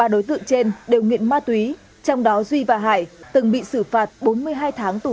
ba đối tượng trên đều nghiện ma túy trong đó duy và hải từng bị xử phạt bốn mươi hai tháng tù